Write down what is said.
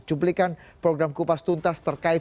cuplikan program kupas tuntas terkait